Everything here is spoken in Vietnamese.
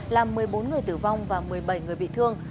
làm một mươi bốn người tử vong và một mươi bảy người bị thương